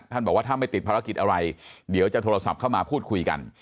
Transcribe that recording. บอกว่าถ้าไม่ติดภารกิจอะไรเดี๋ยวจะโทรศัพท์เข้ามาพูดคุยกัน